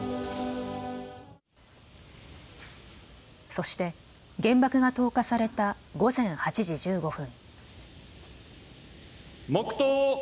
そして原爆が投下された午前８時１５分。